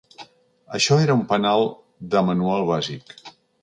Això era un penal de manual bàsic.